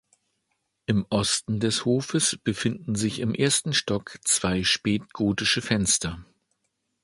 Im Osten des Hofes befinden sich im ersten Stock zwei spätgotische Fenster.